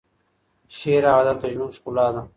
شعر او ادب د ژوند ښکلا ده.